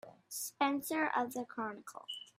Spencer of the Chronicle.